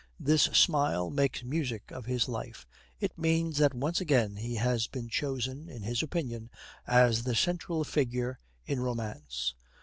This smile makes music of his life, it means that once again he has been chosen, in his opinion, as the central figure in romance.